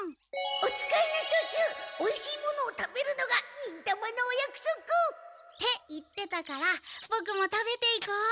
おつかいのとちゅうおいしいものを食べるのが忍たまのおやくそく！って言ってたからボクも食べていこう。